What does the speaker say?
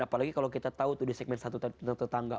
apalagi kalau kita tahu tuh di segmen satu tetangga